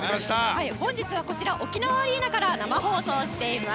本日はこちら沖縄アリーナから生放送しています。